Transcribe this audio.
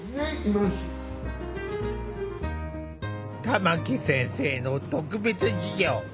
玉木先生の特別授業。